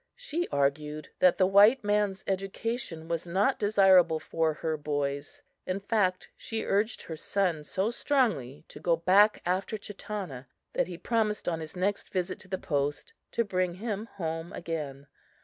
She argued that the white man's education was not desirable for her boys; in fact, she urged her son so strongly to go back after Chatanna that he promised on his next visit to the post to bring him home again.